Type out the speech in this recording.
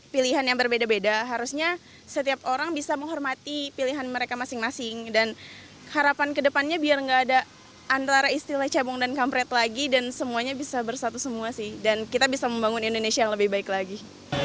pilihan yang berbeda beda harusnya setiap orang bisa menghormati pilihan mereka masing masing dan harapan kedepannya biar nggak ada antara istilah cabung dan kampret lagi dan semuanya bisa bersatu semua sih dan kita bisa membangun indonesia yang lebih baik lagi